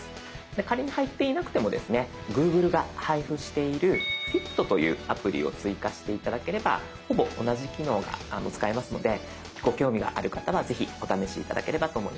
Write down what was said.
で仮に入っていなくてもですねＧｏｏｇｌｅが配布している「Ｆｉｔ」というアプリを追加して頂ければほぼ同じ機能が使えますのでご興味がある方はぜひお試し頂ければと思います。